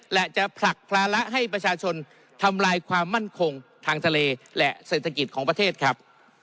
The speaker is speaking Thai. และจะผลักภาระให้ประชาชนทำลายความมั่นคงทางทะเลและเศรษฐกิจของประเทศครับ